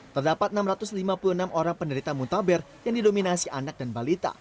terdapat enam ratus lima puluh enam orang penderita muntaber yang didominasi anak dan balita